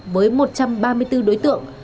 với một trăm ba mươi bốn đối tượng